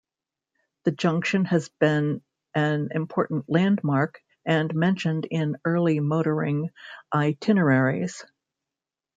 The junction has been an important landmark and mentioned in early motoring itineraries.